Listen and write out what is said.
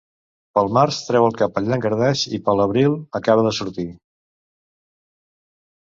Pel març treu el cap el llangardaix i per l'abril acaba de sortir.